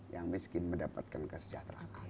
yang miskin mendapatkan kesejahteraan